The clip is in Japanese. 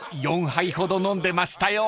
［４杯ほど飲んでましたよ］